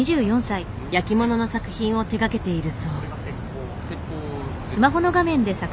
焼き物の作品を手がけているそう。